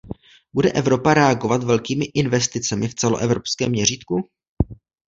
Bude Evropa reagovat velkými investicemi v celoevropském měřítku?